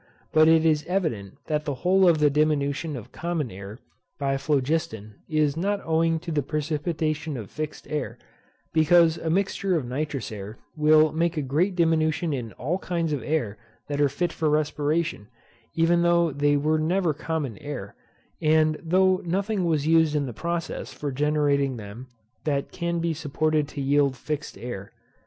But it is evident that the whole of the diminution of common air by phlogiston is not owing to the precipitation of fixed air, because a mixture of nitrous air will make a great diminution in all kinds of air that are fit for respiration, even though they never were common air, and though nothing was used in the process for generating them that can be supposed to yield fixed air.